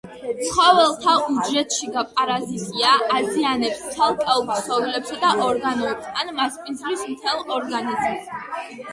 ცხოველთა უჯრედშიგა პარაზიტია, აზიანებს ცალკეულ ქსოვილებსა და ორგანოებს ან მასპინძლის მთელ ორგანიზმს.